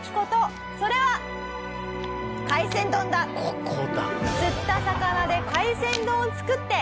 ここだ。